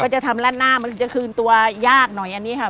จะทำราดหน้ามันจะคืนตัวยากหน่อยอันนี้ค่ะ